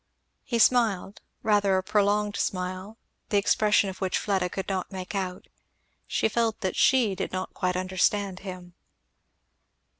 He smiled, rather a prolonged smile, the expression of which Fleda could not make out; she felt that she did not quite understand him.